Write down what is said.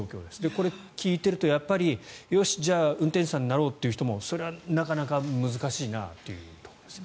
これ、聞いているとやっぱりよし、じゃあ運転手さんになろうという人もそれはなかなか難しいなということですね。